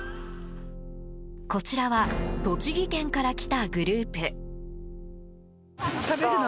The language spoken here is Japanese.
こちらは栃木県から来たグループ。